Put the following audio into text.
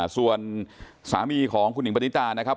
ส่วนสามีของคุณหิงปณิตานะครับ